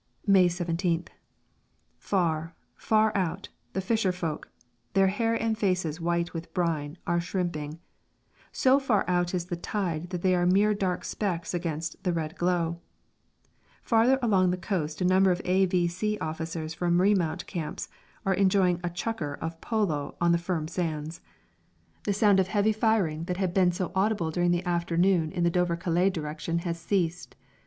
May 17th. Far, far out, the fisher folk, their hair and faces white with brine, are shrimping. So far out is the tide that they are mere dark specks against the red glow. Farther along the coast a number of A.V.C. officers from remount camps are enjoying a chukker of polo on the firm sands. The sound of heavy firing that had been so audible during the afternoon in the Dover Calais direction has ceased.